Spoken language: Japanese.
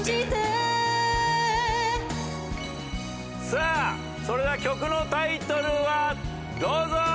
さあそれでは曲のタイトルはどうぞ！